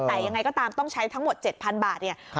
แต่ยังไงก็ตามต้องใช้ทั้งหมด๗๐๐บาทเนี่ย